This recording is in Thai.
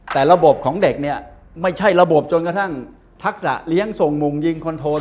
แต่ระบบของเด็กเนี่ยไม่ใช่ระบบจนกระทั่งทักษะเลี้ยงส่งมุงยิงคอนโทน